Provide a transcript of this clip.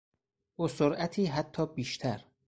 با سرعتی حتی بیشتر